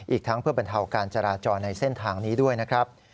อีกทั้งเพื่อบรรเทาการจราจรในเส้นทางนี้ด้วยนะครับ